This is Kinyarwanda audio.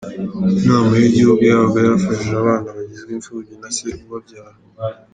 Inama y’igihugu y’abagore yafashije abana bagizwe imfubyi na se ubabyara